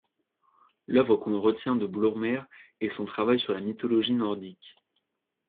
L'œuvre que l'on retient de Blommér est son travail sur la mythologie nordique.